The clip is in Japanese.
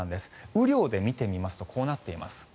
雨量で見てみますとこうなっています。